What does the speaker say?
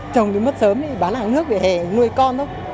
chồng đi mất sớm thì bán hàng nước về hè nuôi con thôi